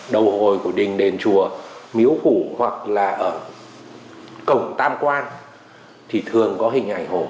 đầu hồi của đình đền chùa miếu phủ hoặc là ở cổng tam quang thì thường có hình ảnh hổ